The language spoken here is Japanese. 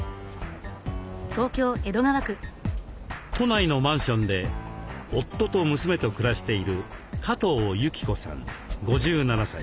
都内のマンションで夫と娘と暮らしている加藤由起子さん５７歳。